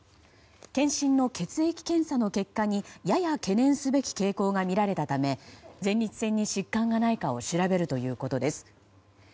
検診の血液検査の結果にやや懸念すべき傾向が見られたため前立腺に疾患がないかを調べるということです。